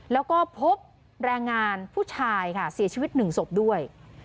แล้วก็พบแรงงานผู้ชายค่ะเสียชีวิตหนึ่งศพด้วย